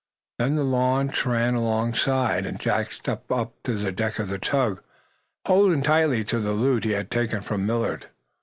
Then the launch ran in alongside, and Jack stepped up to the deck of the tug, holding tightly to the loot he had taken from Millard.